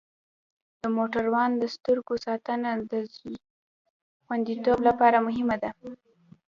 د موټروان د سترګو ساتنه د خوندیتوب لپاره مهمه ده.